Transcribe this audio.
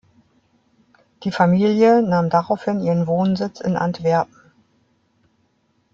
Die Familie nahm daraufhin ihren Wohnsitz in Antwerpen.